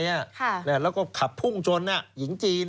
แล้วก็ขับพุ่งชนหญิงจีน